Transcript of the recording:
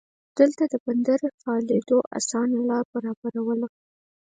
دلته د بندر فعالېدو اسانه لار برابرواله.